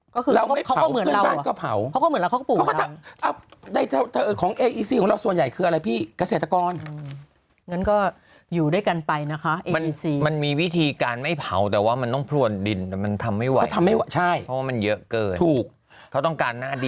ก็คือเขาก็เหมือนเราเขาก็ปู่อังค์